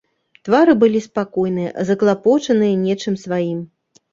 Твары былі спакойныя, заклапочаныя нечым сваім.